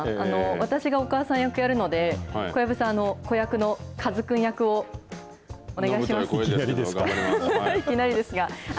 私がお母さん役やるので、小籔さん、子役のカズくん役をお願いし頑張ります。